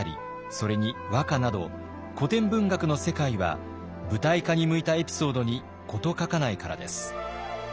それに和歌など古典文学の世界は舞台化に向いたエピソードに事欠かないからです。